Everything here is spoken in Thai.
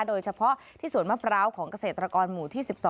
โดยเฉพาะที่สวนมะพร้าวของเกษตรกรหมู่ที่๑๒